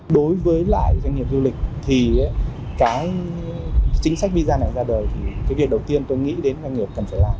đối với lại doanh nghiệp du lịch thì cái chính sách visa này ra đời thì cái việc đầu tiên tôi nghĩ đến doanh nghiệp cần phải làm